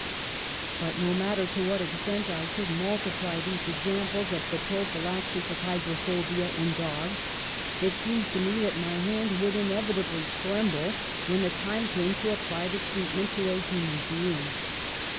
"But, no matter to what extent I should mul tiply these examples of the prophylaxis of hy drophobia in dogs, it seems to me that my hand would inevitably tremble when the time came to apply the treatment to a human being.